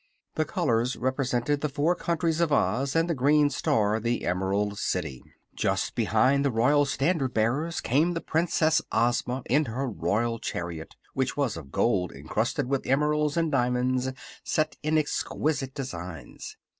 The colors represented the four countries of Oz, and the green star the Emerald City. Just behind the royal standard bearers came the Princess Ozma in her royal chariot, which was of gold encrusted with emeralds and diamonds set in exquisite designs.